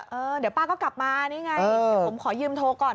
เออเดี๋ยวป้าก็กลับมานี่ไงเดี๋ยวผมขอยืมโทรก่อน